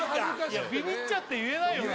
いやビビっちゃって言えないよな